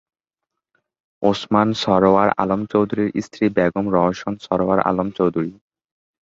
ওসমান সরওয়ার আলম চৌধুরীর স্ত্রী বেগম রওশন সরওয়ার আলম চৌধুরী।